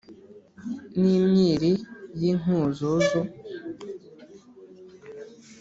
n'imyiri y'i nkuzuzu.